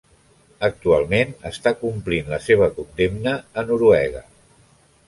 Actualment està complint la seva condemna a Noruega.